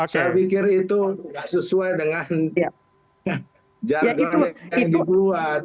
saya pikir itu tidak sesuai dengan jadwal yang dibuat